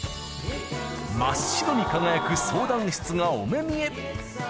真っ白に輝く相談室がお目見え。